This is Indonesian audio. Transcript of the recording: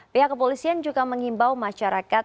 pihak kepolisian juga mengimbau masyarakat